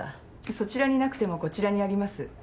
そちらになくてもこちらにあります。